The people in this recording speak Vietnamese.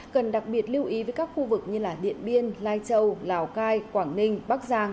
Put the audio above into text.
cần đặc biệt lưu ý với các khu vực như điện biên lai châu lào cai quảng ninh bắc giang